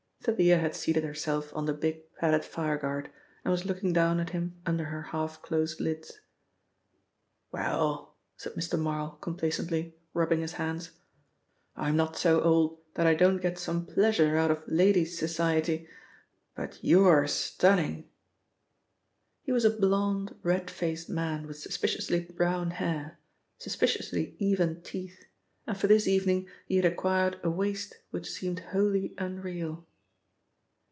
Thalia had seated herself on the big padded fireguard and was looking down at him under her half closed lids. "Well," said Mr. Marl complacently, rubbing his hands. "I'm not so old that I don't get some pleasure out of ladies' society. But you're stunning!" He was a blonde, red faced man with suspiciously brown hair, suspiciously even teeth, and for this evening he had acquired a waist which seemed wholly unreal.